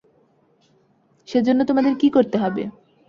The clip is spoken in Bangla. সে জন্য তোমাদের কী করতে হবে।